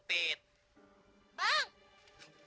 aku berlindung pada gue